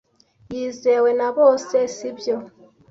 Yizewe na bose, sibyo?